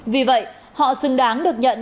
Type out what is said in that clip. vì vậy họ xứng đáng được nhận